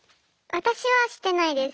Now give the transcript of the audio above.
私はしてないです。